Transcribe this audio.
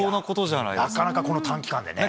なかなか、この短期間でね。